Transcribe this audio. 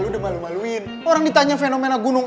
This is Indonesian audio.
udah malu maluin orang ditanya fenomena gunung